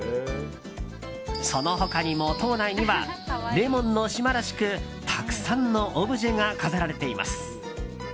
その他にも島内にはレモンの島らしくたくさんのオブジェが飾られています。